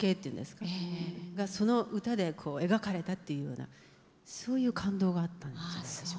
がその歌で描かれたっていうようなそういう感動があったんです。